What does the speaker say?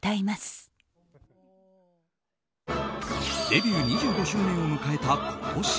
デビュー２５周年を迎えた今年